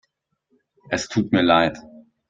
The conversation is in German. Es tut mir leid.